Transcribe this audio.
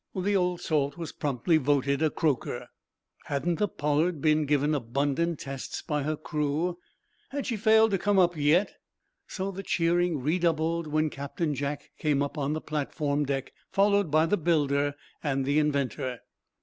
The old salt was promptly voted a croaker. Hadn't the "Pollard" been given abundant tests by her crew? Had she failed to come up yet? So the cheering redoubled when Captain Jack came up on the platform deck, followed by the builder and the inventor.